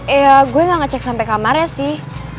eh gue gak ngecek sampe kamarnya sih